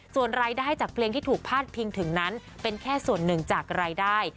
ส่วนรายได้จากเพลงที่ถูกพาดพิงถึงนั้นเป็นแค่ส่วนหนึ่งจากรายได้